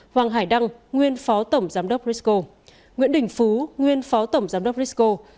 hoàng hải đăng nguyên phó tổng giám đốc risco nguyễn đình phú nguyên phó tổng giám đốc risco